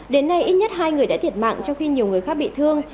đến nay ít nhất hai người đã thiệt mạng trong khi nhiều người khác bị thương